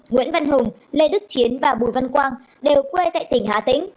nguyễn văn hùng lê đức chiến và bùi văn quang đều quê tại tỉnh hà tĩnh